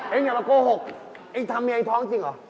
เออเอ็งอย่ามาโกหกเอ็งทำเมียไอ้ท้องจริงหรอ